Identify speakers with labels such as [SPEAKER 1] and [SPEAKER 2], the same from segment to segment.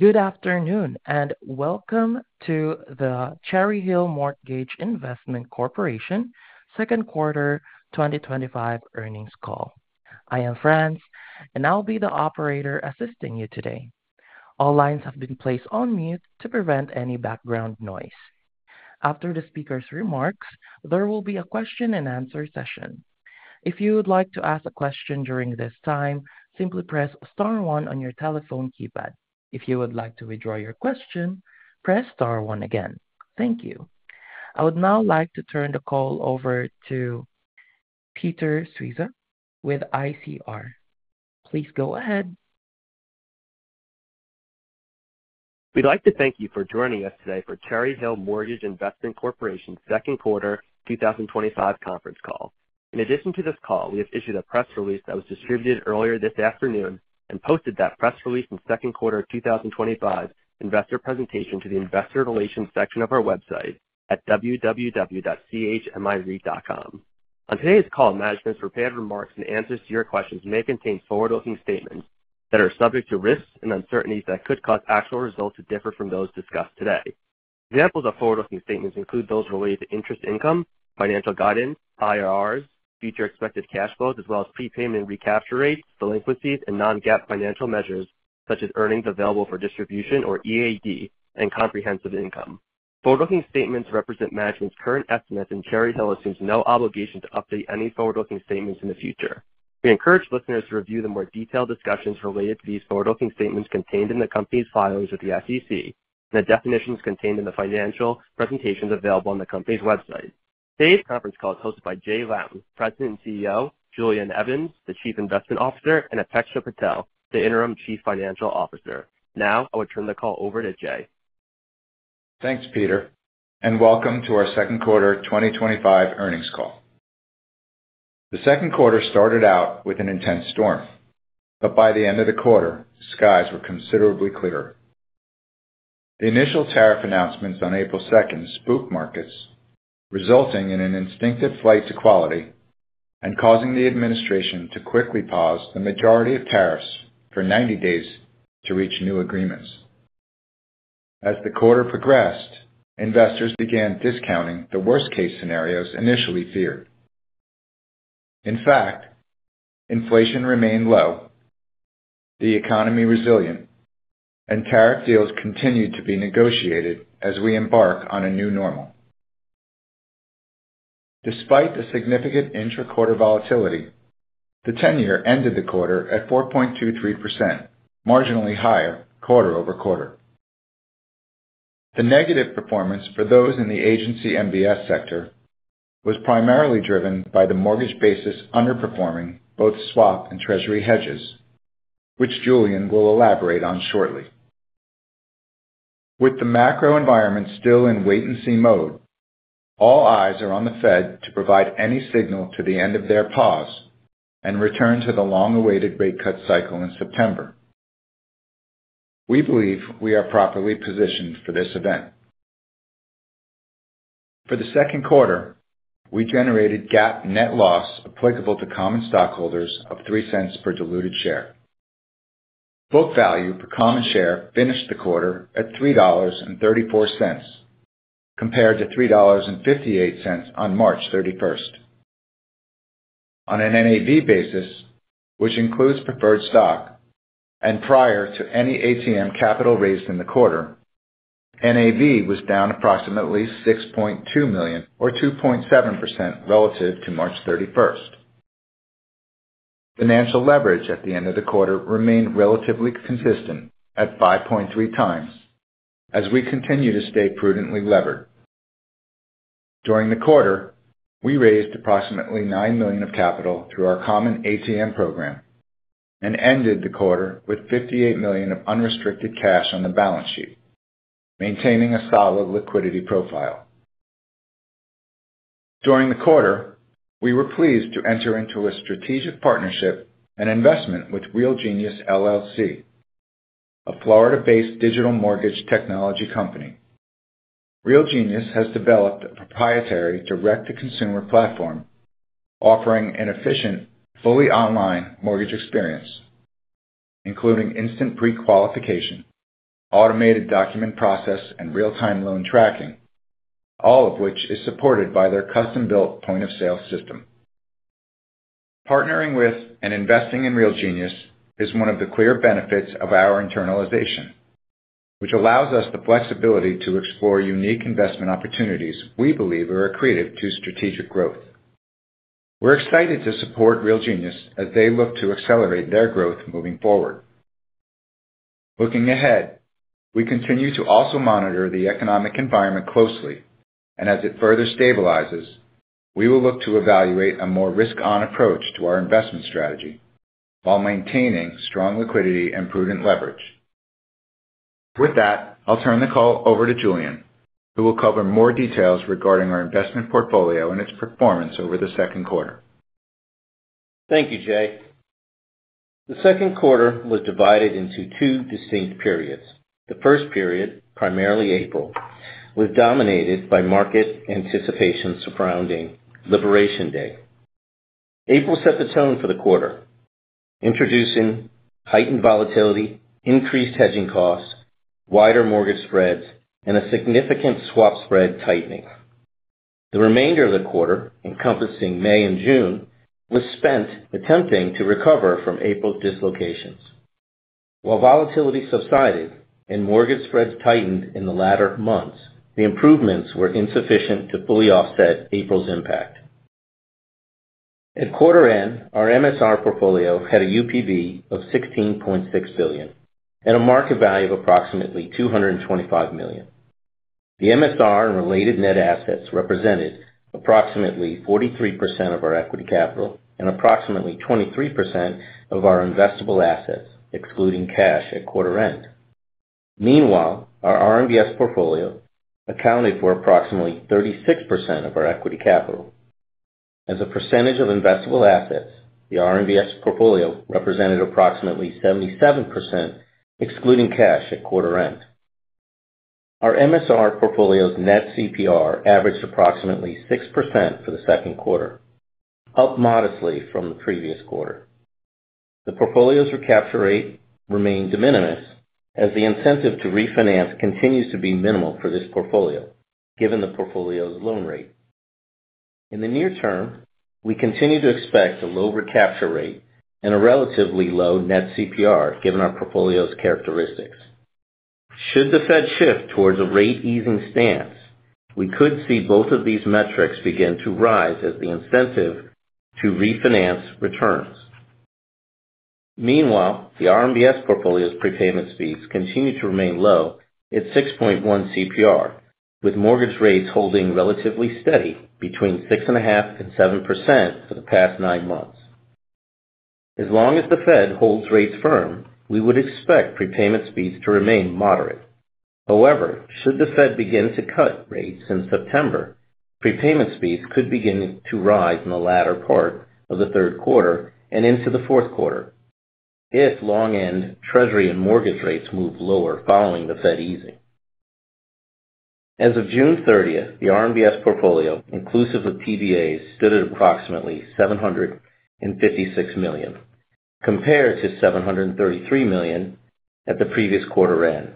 [SPEAKER 1] Good afternoon and welcome to the Cherry Hill Mortgage Investment Corporation's Second Quarter 2025 Earnings Call. I am Franz, and I'll be the operator assisting you today. All lines have been placed on mute to prevent any background noise. After the speaker's remarks, there will be a question and answer session. If you would like to ask a question during this time, simply press star one on your telephone keypad. If you would like to withdraw your question, press star one again. Thank you. I would now like to turn the call over to Peter Sceusa with ICR. Please go ahead.
[SPEAKER 2] We'd like to thank you for joining us today for Cherry Hill Mortgage Investment Corporation's Second Quarter 2025 Conference Call. In addition to this call, we have issued a press release that was distributed earlier this afternoon and posted that press release and second quarter 2025 investor presentation to the investor relations section of our website at www.chmiv.com. On today's call, management's prepared remarks and answers to your questions may contain forward-looking statements that are subject to risks and uncertainties that could cause actual results to differ from those discussed today. Examples of forward-looking statements include those related to interest income, financial guidance, IRRs, future expected cash flows, as well as prepayment and recapture rates, delinquencies, and non-GAAP financial measures such as earnings available for distribution or EAD, and comprehensive income. Forward-looking statements represent management's current estimates, and Cherry Hill assumes no obligation to update any forward-looking statements in the future. We encourage listeners to review the more detailed discussions related to these forward-looking statements contained in the company's filings with the SEC and the definitions contained in the financial presentations available on the company's website. Today's conference call is hosted by Jay Lown, President and CEO, Julian Evans, Chief Investment Officer, and Apeksha Patel, Interim Chief Financial Officer. Now, I would turn the call over to Jay.
[SPEAKER 3] Thanks, Peter, and welcome to our Second Quarter 2025 Earnings Call. The second quarter started out with an intense storm, but by the end of the quarter, skies were considerably clearer. The initial tariff announcements on April 2nd spooked markets, resulting in an instinctive flight to quality and causing the administration to quickly pause the majority of tariffs for 90 days to reach new agreements. As the quarter progressed, investors began discounting the worst-case scenarios initially feared. In fact, inflation remained low, the economy resilient, and tariff deals continued to be negotiated as we embark on a new normal. Despite significant intra-quarter volatility, the 10-year ended the quarter at 4.23%, marginally higher quarter-over-quarter. The negative performance for those in the agency RMBS sector was primarily driven by the mortgage basis underperforming both swap and Treasury hedges, which Julian will elaborate on shortly. With the macro environment still in wait-and-see mode, all eyes are on the Federal Reserve to provide any signal to the end of their pause and return to the long-awaited rate cut cycle in September. We believe we are properly positioned for this event. For the second quarter, we generated GAAP net loss applicable to common stockholders of $0.03 per diluted share. Book value per common share finished the quarter at $3.34 compared to $3.58 on March 31st. On an NAV basis, which includes preferred stock and prior to any ATM capital raised in the quarter, NAV was down approximately $6.2 million or 2.7% relative to March 31st. Financial leverage at the end of the quarter remained relatively consistent at 5.3x, as we continue to stay prudently levered. During the quarter, we raised approximately $9 million of capital through our common ATM program and ended the quarter with $58 million of unrestricted cash on the balance sheet, maintaining a solid liquidity profile. During the quarter, we were pleased to enter into a strategic partnership and investment with RealGenius LLC, a Florida-based digital mortgage technology company. RealGenius has developed a proprietary direct-to-consumer platform offering an efficient, fully online mortgage experience, including instant pre-qualification, automated document process, and real-time loan tracking, all of which is supported by their custom-built point-of-sale system. Partnering with and investing in RealGenius is one of the clear benefits of our internalization, which allows us the flexibility to explore unique investment opportunities we believe are accretive to strategic growth. We're excited to support RealGenius as they look to accelerate their growth moving forward. Looking ahead, we continue to also monitor the economic environment closely, and as it further stabilizes, we will look to evaluate a more risk-on approach to our investment strategy while maintaining strong liquidity and prudent leverage. With that, I'll turn the call over to Julian, who will cover more details regarding our investment portfolio and its performance over the second quarter.
[SPEAKER 4] Thank you, Jay. The second quarter was divided into two distinct periods. The first period, primarily April, was dominated by market anticipations surrounding Liberation Day. April set the tone for the quarter, introducing heightened volatility, increased hedging costs, wider mortgage spreads, and a significant swap spread tightening. The remainder of the quarter, encompassing May and June, was spent attempting to recover from April dislocations. While volatility subsided and mortgage spreads tightened in the latter months, the improvements were insufficient to fully offset April's impact. At quarter end, our MSR portfolio had a UPB of $16.6 billion and a market value of approximately $225 million. The MSR and related net assets represented approximately 43% of our equity capital and approximately 23% of our investable assets, excluding cash at quarter end. Meanwhile, our RMBS portfolio accounted for approximately 36% of our equity capital. As a percentage of investable assets, the RMBS portfolio represented approximately 77%, excluding cash at quarter end. Our MSR portfolio's net CPR averaged approximately 6% for the second quarter, up modestly from the previous quarter. The portfolio's recapture rate remained de minimis as the incentive to refinance continues to be minimal for this portfolio, given the portfolio's loan rate. In the near term, we continue to expect a low recapture rate and a relatively low net CPR, given our portfolio's characteristics. Should the Fed shift towards a rate-easing stance, we could see both of these metrics begin to rise as the incentive to refinance returns. Meanwhile, the RMBS portfolio's prepayment speeds continue to remain low at 6.1% CPR, with mortgage rates holding relatively steady between 6.5% and 7% for the past nine months. As long as the Fed holds rates firm, we would expect prepayment speeds to remain moderate. However, should the Fed begin to cut rates in September, prepayment speeds could begin to rise in the latter part of the third quarter and into the fourth quarter if long-end Treasury and mortgage rates move lower following the Fed easing. As of June 30th, the RMBS portfolio, inclusive of PBAs, stood at approximately $756 million, compared to $733 million at the previous quarter end,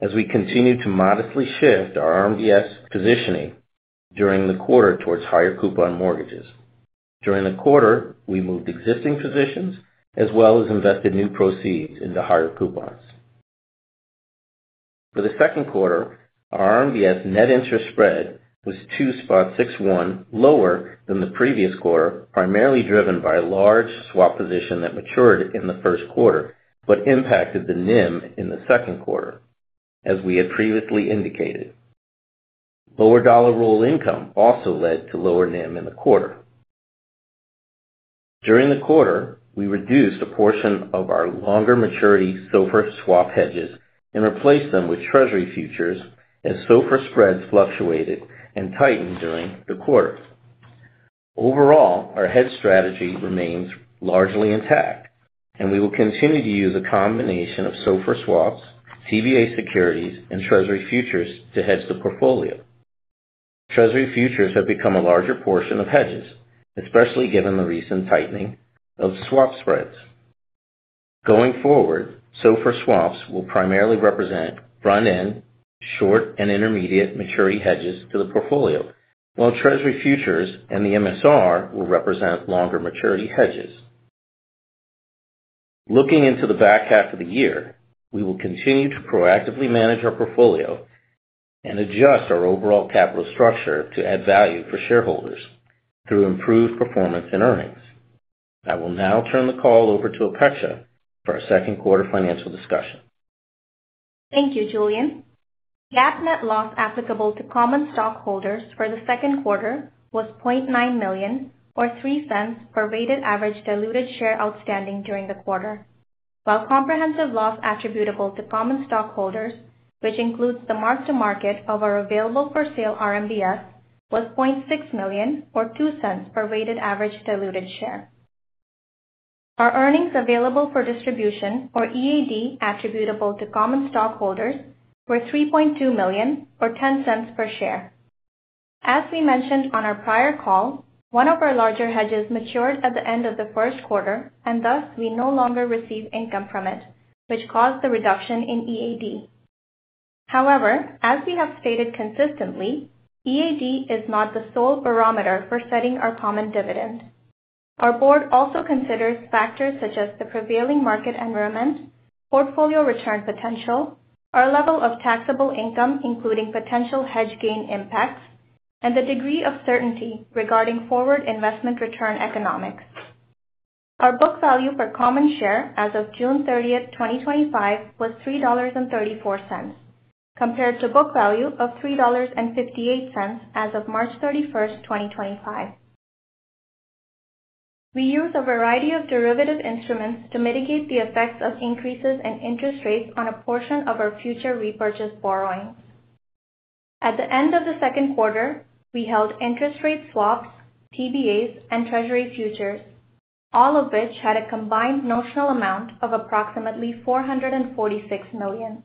[SPEAKER 4] as we continued to modestly shift our RMBS positioning during the quarter towards higher coupon mortgages. During the quarter, we moved existing positions as well as invested new proceeds into higher coupons. For the second quarter, our RMBS net interest spread was 2.61%, lower than the previous quarter, primarily driven by a large swap position that matured in the first quarter but impacted the NIM in the second quarter, as we had previously indicated. Lower dollar roll income also led to lower NIM in the quarter. During the quarter, we reduced a portion of our longer maturity SOFR swap hedges and replaced them with Treasury futures as SOFR spreads fluctuated and tightened during the quarter. Overall, our hedge strategy remains largely intact, and we will continue to use a combination of SOFR swaps, PBA securities, and Treasury futures to hedge the portfolio. Treasury futures have become a larger portion of hedges, especially given the recent tightening of swap spreads. Going forward, SOFR swaps will primarily represent front-end short and intermediate maturity hedges to the portfolio, while Treasury futures and the MSR will represent longer maturity hedges. Looking into the back half of the year, we will continue to proactively manage our portfolio and adjust our overall capital structure to add value for shareholders through improved performance and earnings. I will now turn the call over to Apeksha for our second quarter financial discussion.
[SPEAKER 5] Thank you, Julian. GAAP net loss applicable to common stockholders for the second quarter was $0.9 million or $0.03 per weighted average diluted share outstanding during the quarter, while comprehensive loss attributable to common stockholders, which includes the marks to market of our available for sale RMBS, was $0.6 million or $0.02 per weighted average diluted share. Our earnings available for distribution or EAD attributable to common stockholders were $3.2 million or $0.10 per share. As we mentioned on our prior call, one of our larger hedges matured at the end of the first quarter, and thus we no longer receive income from it, which caused the reduction in EAD. However, as we have stated consistently, EAD is not the sole barometer for setting our common dividend. Our board also considers factors such as the prevailing market environment, portfolio return potential, our level of taxable income, including potential hedge gain impacts, and the degree of certainty regarding forward investment return economics. Our book value per common share as of June 30, 2025, was $3.34 compared to book value of $3.58 as of March 31, 2025. We use a variety of derivative instruments to mitigate the effects of increases in interest rates on a portion of our future repurchase borrowings. At the end of the second quarter, we held interest rate swaps, PBAs, and Treasury futures, all of which had a combined notional amount of approximately $446 million.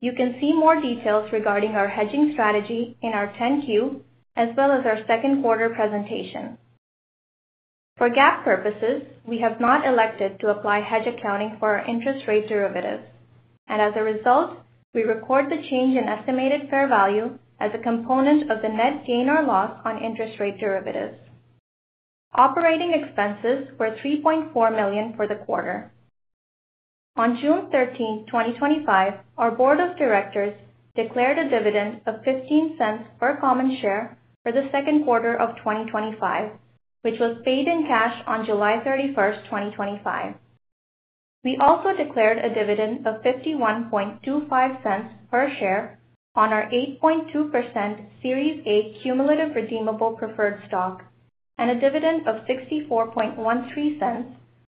[SPEAKER 5] You can see more details regarding our hedging strategy in our 10-Q as well as our second quarter presentation. For GAAP purposes, we have not elected to apply hedge accounting for our interest rate derivatives, and as a result, we record the change in estimated fair value as a component of the net CNR loss on interest rate derivatives. Operating expenses were $3.4 million for the quarter. On June 13, 2025, our board of directors declared a dividend of $0.15 per common share for the second quarter of 2025, which was paid in cash on July 31, 2025. We also declared a dividend of $51.25 per share on our 8.2% Series A cumulative redeemable preferred stock and a dividend of $64.13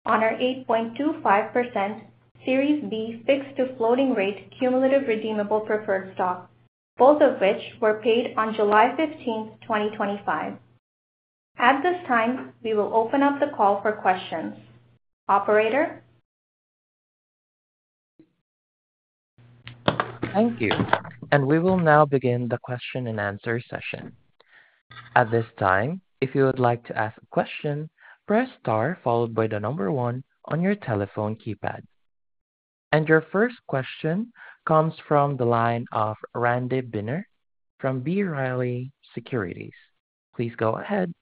[SPEAKER 5] on our 8.25% Series B fixed to floating rate cumulative redeemable preferred stock, both of which were paid on July 15th, 2025. At this time, we will open up the call for questions. Operator?
[SPEAKER 1] Thank you. We will now begin the question and answer session. At this time, if you would like to ask a question, press star followed by the number one on your telephone keypad. Your first question comes from the line of Randy Binner from B. Riley Securities. Please go ahead.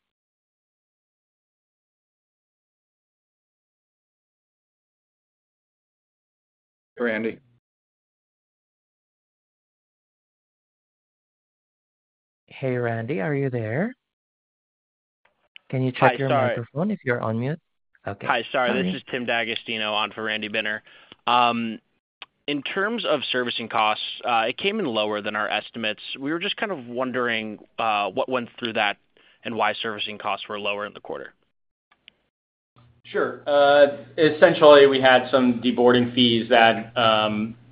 [SPEAKER 4] Hey, Randy.
[SPEAKER 1] Hey, Randy. Are you there? Can you check your microphone if you're on mute? Okay.
[SPEAKER 6] Hi, sorry. This is Tim D'Agostino on for Randy Binner. In terms of servicing costs, it came in lower than our estimates. We were just kind of wondering what went through that and why servicing costs were lower in the quarter.
[SPEAKER 2] Sure. Essentially, we had some deboarding fees that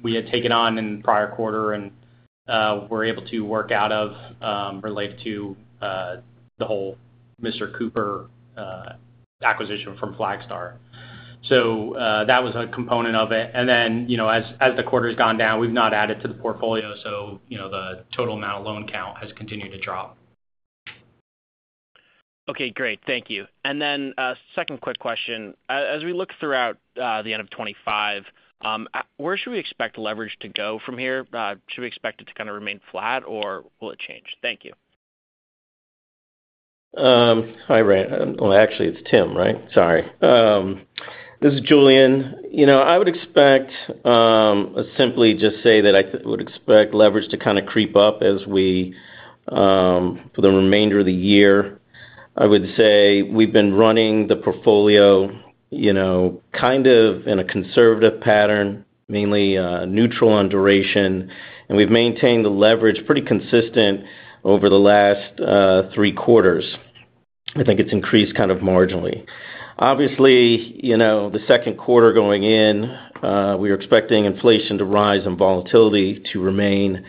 [SPEAKER 2] we had taken on in the prior quarter and were able to work out of related to the whole Mr. Cooper acquisition from Flagstar. That was a component of it. As the quarter has gone down, we've not added to the portfolio, so the total amount of loan count has continued to drop.
[SPEAKER 6] Okay, great. Thank you. A second quick question. As we look throughout the end of 2025, where should we expect leverage to go from here? Should we expect it to kind of remain flat or will it change? Thank you.
[SPEAKER 4] Hi, Ray. Actually, it's Tim, right? Sorry. This is Julian. I would expect to simply just say that I would expect leverage to kind of creep up as we for the remainder of the year. I would say we've been running the portfolio kind of in a conservative pattern, mainly neutral on duration, and we've maintained the leverage pretty consistent over the last three quarters. I think it's increased kind of marginally. Obviously, the second quarter going in, we were expecting inflation to rise and volatility to remain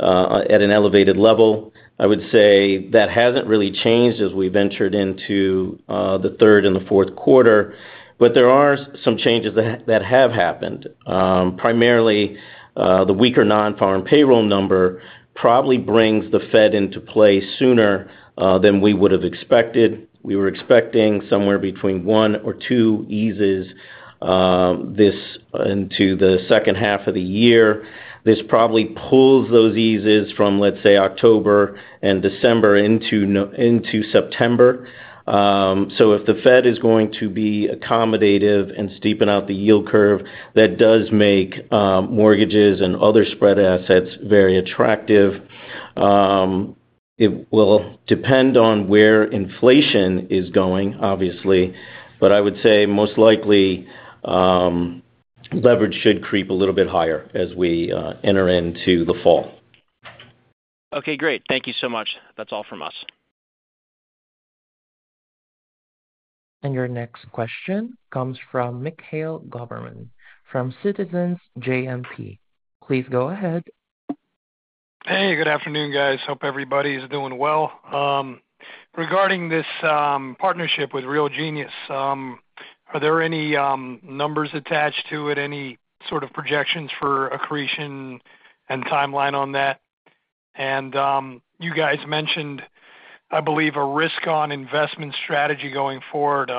[SPEAKER 4] at an elevated level. I would say that hasn't really changed as we ventured into the third and the fourth quarter, but there are some changes that have happened. Primarily, the weaker non-farm payroll number probably brings the Federal Reserve into play sooner than we would have expected. We were expecting somewhere between one or two eases into the second half of the year. This probably pulls those eases from, let's say, October and December into September. If the Federal Reserve is going to be accommodative and steepen out the yield curve, that does make mortgages and other spread assets very attractive. It will depend on where inflation is going, obviously, but I would say most likely leverage should creep a little bit higher as we enter into the fall.
[SPEAKER 6] Okay, great. Thank you so much. That's all from us.
[SPEAKER 1] Your next question comes from Mikhail Goberman from Citizens JMP. Please go ahead.
[SPEAKER 7] Hey, good afternoon, guys. Hope everybody's doing well. Regarding this partnership with RealGenius, are there any numbers attached to it, any sort of projections for accretion and timeline on that? You guys mentioned, I believe, a risk-on investment strategy going forward.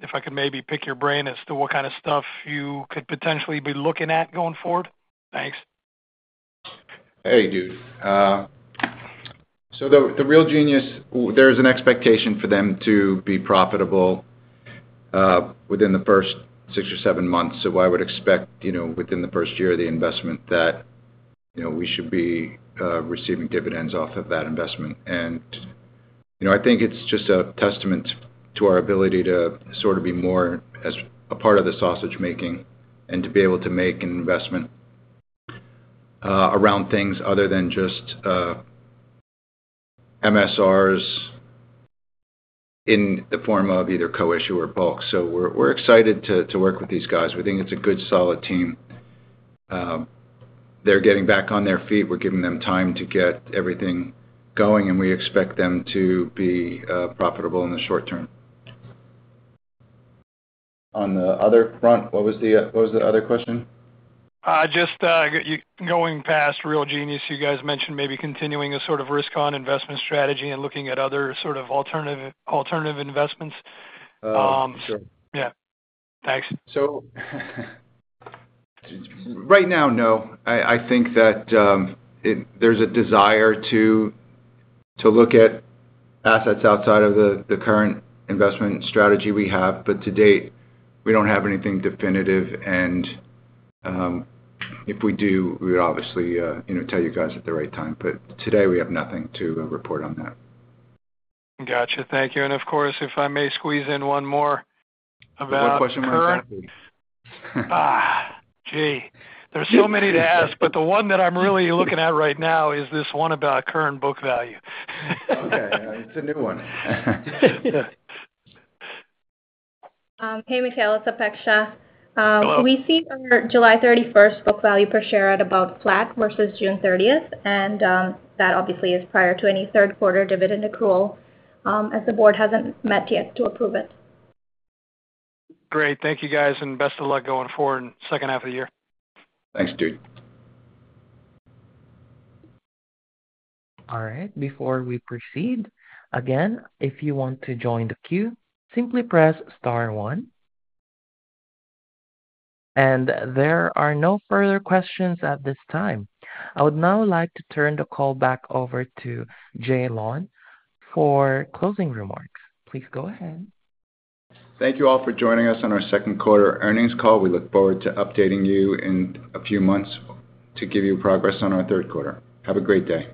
[SPEAKER 7] If I could maybe pick your brain as to what kind of stuff you could potentially be looking at going forward. Thanks.
[SPEAKER 3] The RealGenius, there's an expectation for them to be profitable within the first six or seven months. I would expect, you know, within the first year of the investment that, you know, we should be receiving dividends off of that investment. I think it's just a testament to our ability to sort of be more as a part of the sausage making and to be able to make an investment around things other than just MSRs in the form of either co-issue or bulk. We're excited to work with these guys. We think it's a good, solid team. They're getting back on their feet. We're giving them time to get everything going, and we expect them to be profitable in the short term. On the other front, what was the other question?
[SPEAKER 7] Just going past RealGenius LLC, you guys mentioned maybe continuing a sort of risk-on investment strategy and looking at other sort of alternative investments.
[SPEAKER 3] Sure.
[SPEAKER 7] Yeah. Thanks.
[SPEAKER 3] Right now, no. I think that there's a desire to look at assets outside of the current investment strategy we have, but to date, we don't have anything definitive. If we do, we would obviously tell you guys at the right time. Today, we have nothing to report on that.
[SPEAKER 7] Gotcha. Thank you. If I may squeeze in one more about.
[SPEAKER 3] One more question from our friend, please.
[SPEAKER 7] There's so many to ask, but the one that I'm really looking at right now is this one about current book value.
[SPEAKER 3] Okay. It's a new one.
[SPEAKER 5] Hey, Mikhail. It's Apeksha.
[SPEAKER 7] Hello.
[SPEAKER 5] We see for July 31st book value per common share at about flat versus June 30th, and that obviously is prior to any third-quarter dividend accrual as the board hasn't met yet to approve it.
[SPEAKER 7] Great. Thank you, guys, and best of luck going forward in the second half of the year.
[SPEAKER 3] Thanks, dude.
[SPEAKER 1] All right. Before we proceed, if you want to join the queue, simply press star one. There are no further questions at this time. I would now like to turn the call back over to Jay Lown for closing remarks. Please go ahead.
[SPEAKER 3] Thank you all for joining us on our second quarter earnings call. We look forward to updating you in a few months to give you progress on our third quarter. Have a great day.